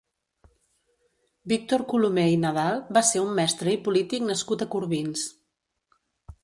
Víctor Colomer i Nadal va ser un mestre i polític nascut a Corbins.